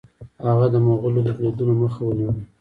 هغه د مغولو د بریدونو مخه ونیوله.